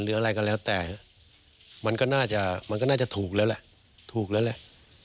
หรืออะไรก็แล้วแต่มันก็น่าจะถูกแล้วแหละ